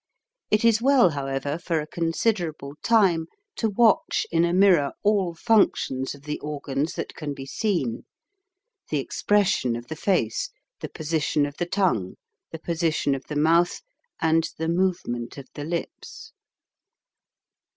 It is well, how ever, for a considerable time to watch in a mirror all functions of the organs that can be seen ; the expression of the face, the position of the tongue, the position of the mouth, and the movement of the lips.